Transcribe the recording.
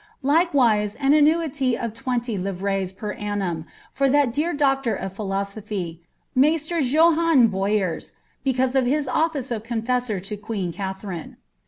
Like wise an annuity of twenty livres* per annum " for that dear doctor of philosophy « Maister Johan Boyers, because of his oflice of confessor to queen Katherine."